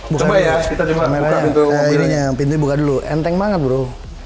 buka dulu coba ya kita buka pintu pintunya buka dulu enteng banget bro